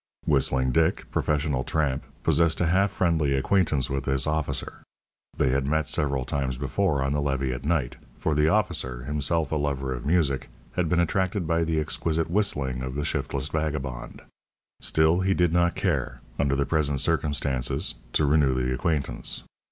Whistling Dick, professional tramp, possessed a half friendly acquaintance with this officer. They had met several times before on the levee at night, for the officer, himself a lover of music, had been attracted by the exquisite whistling of the shiftless vagabond. Still, he did not care, under the present circumstances, to renew the acquaintance.